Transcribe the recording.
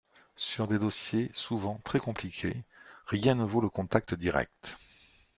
Sur des dossiers souvent très compliqués, rien ne vaut le contact direct.